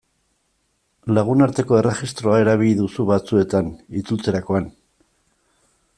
Lagunarteko erregistroa erabili duzu batzuetan, itzultzerakoan.